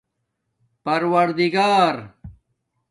پَروردگار